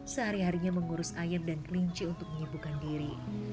sehari harinya mengurus ayam dan kelinci untuk menyibukkan diri